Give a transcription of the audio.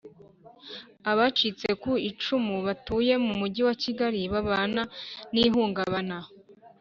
Abacitse ku icumu batuye mu mujyi wa kigali babana n ihungabana